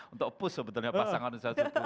untuk pus sebetulnya pasangan